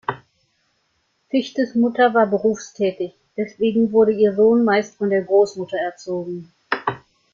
Fichtes Mutter war berufstätig, deswegen wurde ihr Sohn meist von der Großmutter erzogen.